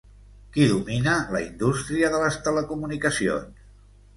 Qui domina la indústria de les telecomunicacions?